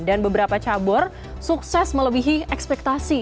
dan beberapa cabur sukses melebihi ekspektasi